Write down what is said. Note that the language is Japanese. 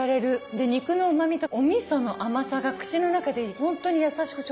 で肉のうまみとおみその甘さが口の中でほんとにやさしく調和されます。